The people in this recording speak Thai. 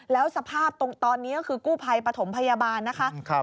แล้วสภาพตอนนี้ก็คือกู้ภัยปฐมพยาบาลนะคะ